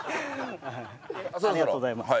ありがとうございます。